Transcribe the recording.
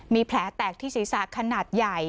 มีแผลแตกที่ศีรษะขนาดใหญ่